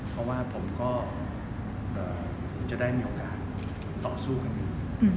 เพราะว่าผมก็จะได้มีโอกาสต่อสู้กันอยู่